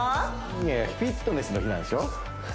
いやいやフィットネスの日なんでしょ？